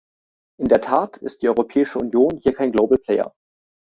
In der Tat ist die Europäische Union hier kein Global Player.